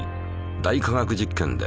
「大科学実験」で。